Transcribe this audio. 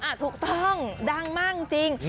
ถูกต้องดังมากจริง